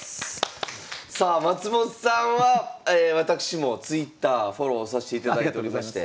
さあ松本さんは私もＴｗｉｔｔｅｒフォローさしていただいておりまして。